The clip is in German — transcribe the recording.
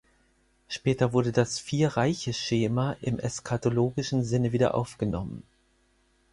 Später wurde auch das Vier-Reiche-Schema im eschatologischen Sinne wieder aufgenommen.